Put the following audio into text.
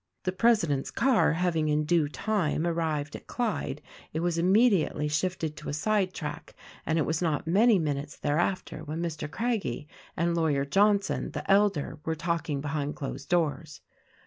The president's car having in due time arrived at Clyde it was immediately shifted to a side track, and it was not THE RECORDING ANGEL 109 many minutes thereafter when Mr. Craggie and lawyer Johnson, the elder, were talking behind closed doors.